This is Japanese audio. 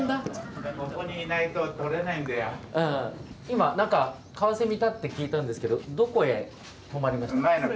今、カワセミいたって聞いたんですけどどこへ止まりました？